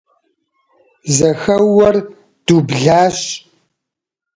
Зэхэуэр дублащ.